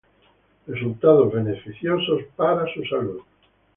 resultados beneficiosos para su salud